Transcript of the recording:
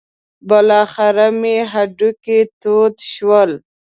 بالاخره مې هډوکي تود شول.